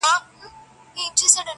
• څومره بلند دی.